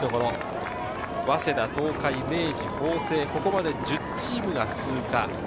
早稲田、東海、明治、法政、ここまで１０チームが通過。